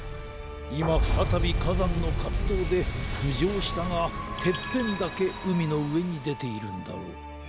いまふたたびかざんのかつどうでふじょうしたがてっぺんだけうみのうえにでているんだろう。